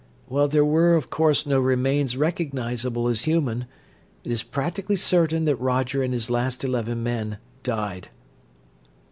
"While there were of course no remains recognizable as human, it is practically certain that Roger and his last eleven men died.